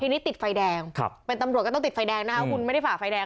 ทีนี้ติดไฟแดงเป็นตำรวจก็ต้องติดไฟแดงนะคะคุณไม่ได้ฝ่าไฟแดง